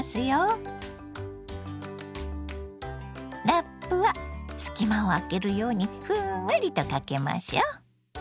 ラップは隙間を空けるようにふんわりとかけましょ。